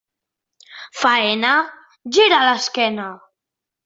Faena?, gira l'esquena.